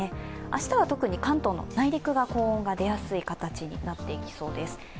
明日は特に関東の内陸が高温が出やすい形になってきそうです。